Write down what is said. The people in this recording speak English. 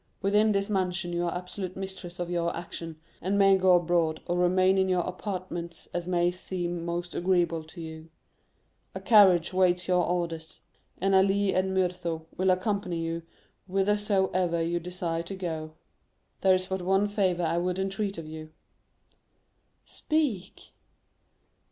Within this mansion you are absolute mistress of your actions, and may go abroad or remain in your apartments as may seem most agreeable to you. A carriage waits your orders, and Ali and Myrtho will accompany you whithersoever you desire to go. There is but one favor I would entreat of you." "Speak."